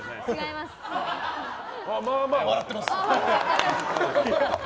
まあまあ笑ってます。